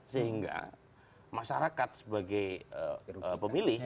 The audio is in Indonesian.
sehingga masyarakat sebagai pemilih